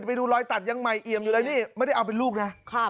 ไปดูรอยตัดยังใหม่เอี่ยมอยู่เลยนี่ไม่ได้เอาเป็นลูกนะ